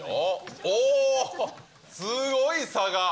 おー、すごい差が。